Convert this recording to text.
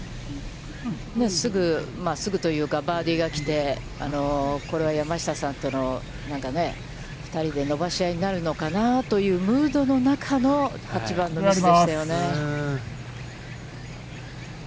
すぐというか、バーディーが来て、これは山下さんとの２人で伸ばし合いになるのかなというムードの中の、８番のミスでしたよね。